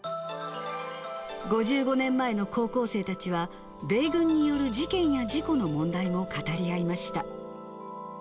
５５年前の高校生たちは、米軍による事件や事故の問題も語り合いました。